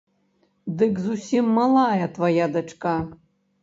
Дык зусім малая твая дачка?